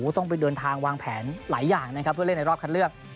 ต้องไปเดินทางวางแผนหลายอย่างนะครับเพื่อเล่นในรอบคัดเลือก